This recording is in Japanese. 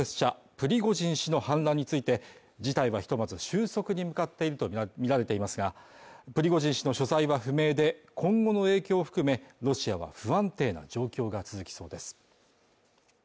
プリゴジン氏の反乱について事態はひとまず収束に向かっていると見られていますが、プリゴジン氏の詳細は不明で、今後の影響を含め、ロシアは不安定な状況が続きそうです。